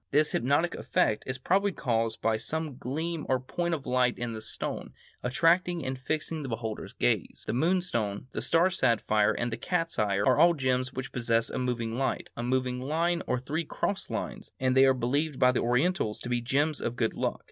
This hypnotic effect is probably caused by some gleam or point of light in the stone, attracting and fixing the beholder's gaze. The moonstone, the star sapphire, and the cat's eye are all gems which possess a moving light, a moving line, or three crossed lines, and they are believed by the Orientals to be gems of good luck.